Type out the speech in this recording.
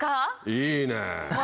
いいね。